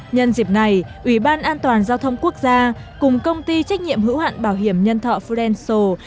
nhân dịp này ủy ban an toàn giao thông quốc gia cùng công ty trách nhiệm hữu hạn bảo hiểm nhân thọ fuelso